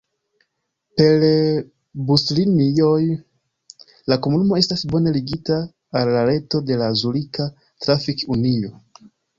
Per buslinioj la komunumo estas bone ligita al la reto de la Zurika Trafik-Unio.